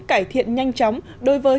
cải thiện nhanh chóng đối với